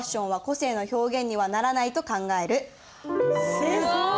すごい！